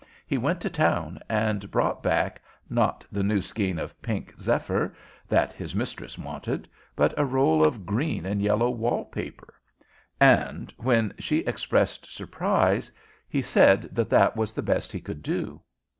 He went to town and brought back, not the new skein of pink zephyr that his mistress wanted, but a roll of green and yellow wall paper, and, when she expressed surprise, he said that that was the best he could do.